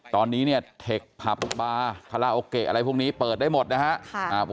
ตอนนี้เนี่ยเทคผับบาร์คาราโอเกะอะไรพวกนี้เปิดได้หมดนะครับ